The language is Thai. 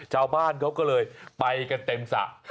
ชาวบ้านเขาก็เลยไปกันเต็มสระ